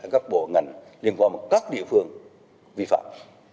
các bộ ngành liên quan một các địa phương vi phạm